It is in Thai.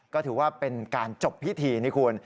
ก็ถือว่าเป็นการจบพิธีนี่คุณ